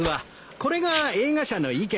これが映画社の意見。